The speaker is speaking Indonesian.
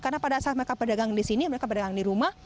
karena pada saat mereka berdagang di sini mereka berdagang di rumah